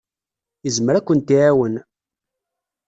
Yezmer ad kent-iɛawen.